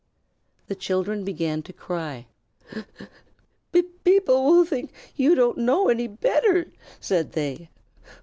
The children began to cry: "P people will think you don't know any b better," said they.